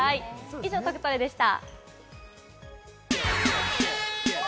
以上トクトレでした。